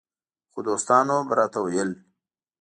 خو دوستانو به راته ویل